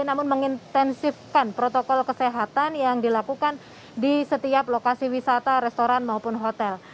namun mengintensifkan protokol kesehatan yang dilakukan di setiap lokasi wisata restoran maupun hotel